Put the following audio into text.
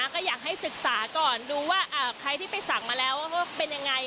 ก็อยากให้ศึกษาก่อนดูว่าใครที่ไปสั่งมาแล้วว่าเป็นยังไง